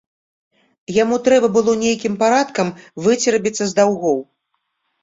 Яму трэба было нейкім парадкам выцерабіцца з даўгоў.